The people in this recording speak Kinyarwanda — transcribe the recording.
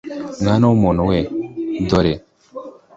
mwana w umuntu we dore